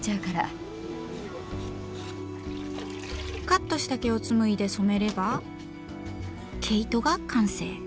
カットした毛をつむいで染めれば毛糸が完成。